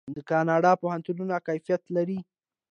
د کاناډا پوهنتونونه کیفیت لري.